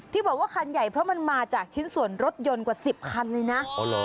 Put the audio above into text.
ที่บอกว่าคันใหญ่เพราะมันมาจากชิ้นส่วนรถยนต์กว่า๑๐คันเลยนะ